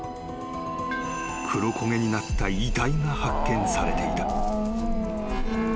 ［黒焦げになった遺体が発見されていた］